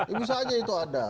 ini saja itu ada